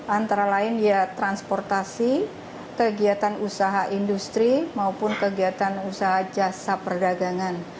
antara lain ya transportasi kegiatan usaha industri maupun kegiatan usaha jasa perdagangan